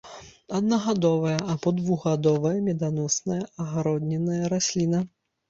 Аднагадовая або двухгадовая меданосная агароднінная расліна.